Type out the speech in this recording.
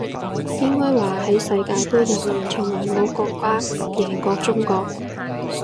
應該話係世界盃入面從來冇國家贏過中國